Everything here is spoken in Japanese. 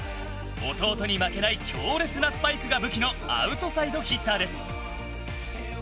弟に負けない強烈なスパイクが武器のアウトサイドヒッターです。